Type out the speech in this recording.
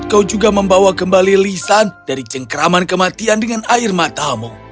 kau juga membawa kembali lisan dari cengkraman kematian dengan air matamu